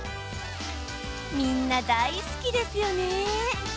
みんな大好きですよね。